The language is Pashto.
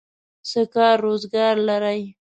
څه کار روزګار لرئ؟